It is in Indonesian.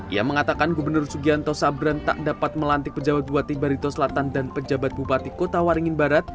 ia mengatakan gubernur sugianto sabran tak dapat melantik pejabat bupati barito selatan dan pejabat bupati kota waringin barat